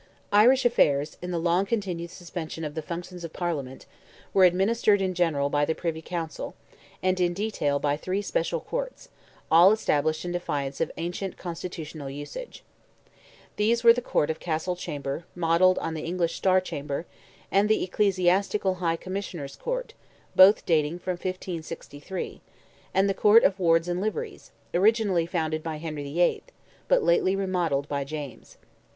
Irish affairs, in the long continued suspension of the functions of Parliament, were administered in general by the Privy Council, and in detail by three special courts, all established in defiance of ancient constitutional usage. These were the Court of Castle Chamber, modelled on the English Star Chamber, and the Ecclesiastical High Commissioners Court, both dating from 1563; and the Court of Wards and Liveries, originally founded by Henry VIII., but lately remodelled by James.